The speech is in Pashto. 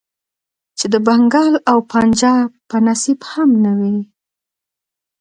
چې د بنګال او پنجاب په نصيب هم نه وې.